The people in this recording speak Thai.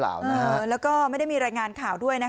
แล้วก็ไม่ได้มีรายงานข่าวด้วยนะคะ